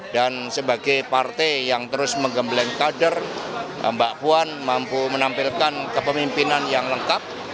dan sebagai partai yang terus menggembeleng kader mbak puan mampu menampilkan kepemimpinan yang lengkap